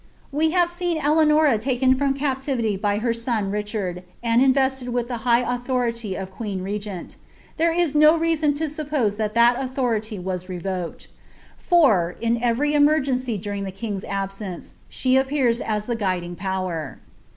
We have seen Eleanora taken from captivity by her son Richard, m) invested with the high authority of queen regeni : there is no rcasoa w suppose thai ihol autlioriiy was ravoked ; for) in every emergency (ivtwf the king's absence, she appears as the guiding power.